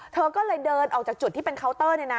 เธอก็เลยเดินออกจากจุดที่เป็นเคาน์เตอร์